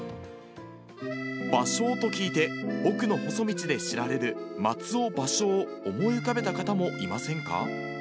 バショウと聞いて、奥の細道で知られる松尾芭蕉を思い浮かべた方もいませんか？